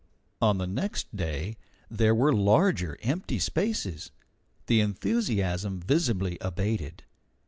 On the next day there were larger empty spaces. The enthusiasm visibly abated.